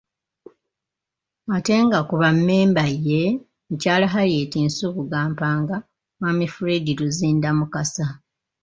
Ate nga ku bammemba ye; Muky.Harriet Nsubuga Mpanga, Mw.Fred Luzinda Mukasa.